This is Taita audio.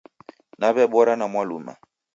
Naw'ebora na Mwaluma